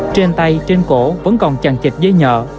trên tay trên cổ vẫn còn chằn chịch giấy nhở